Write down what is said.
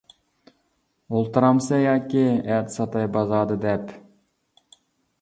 ئولتۇرامسەن ياكى، ئەتە ساتاي بازاردا دەپ.